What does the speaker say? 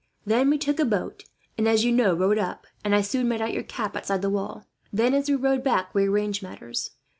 Then we took a boat and, as you know, rowed up; and I soon made out your cap outside the wall. "Then, as we rowed back, we arranged matters.